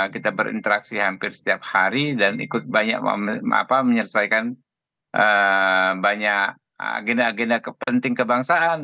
kita berinteraksi hampir setiap hari dan ikut banyak menyesuaikan banyak agenda agenda penting kebangsaan